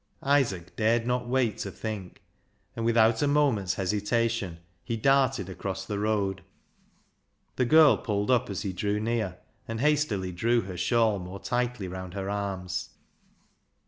Isaac dared not wait to think, and without a moment's hesitation he darted across the road. The girl pulled up as he drew near, and hastily drew her shawl more tightly round her arms.